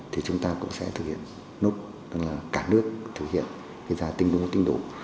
thì chúng ta cũng sẽ thực hiện nốt tức là cả nước thực hiện giá tính đủ tính đủ